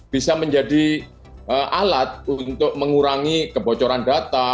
bisa menjadi alat untuk mengurangi kebocoran data